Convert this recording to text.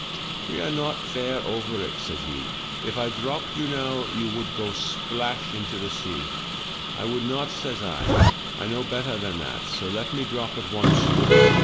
" 'We are not fair over it,' said he; 'if I dropped you now you would go splash into the sea.' " 'I would not,' says I, 'I know better than that, so let me drop at once.'